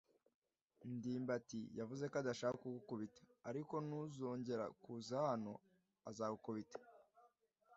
ndimbati yavuze ko adashaka kukubabaza, ariko nuzongera kuza hano, azagukubita.